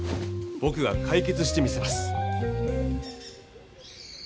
ぼくが解決してみせます。